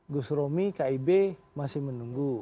gus romi kib masih menunggu